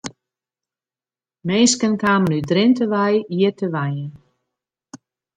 Minsken kamen út Drinte wei hjir te wenjen.